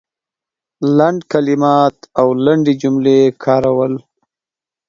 لنډ کلمات او لنډې جملې کارول